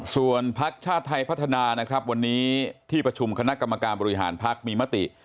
ส่วนพักชาติไทยพัฒนานะครับวันนี้ที่ประชุมคณะกรรมการบริหารพักมีมติ